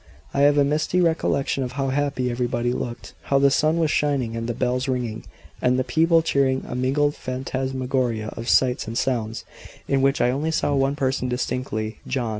I have a misty recollection of how happy everybody looked, how the sun was shining, and the bells ringing, and the people cheering a mingled phantasmagoria of sights and sounds, in which I only saw one person distinctly, John.